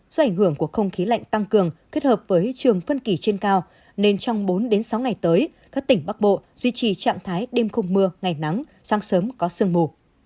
do ảnh hưởng của không khí lạnh tăng cường kết hợp với trường phân kỳ trên cao nên trong bốn sáu ngày tới các tỉnh bắc bộ duy trì trạng thái đêm không mưa ngày nắng sáng sớm có sương mù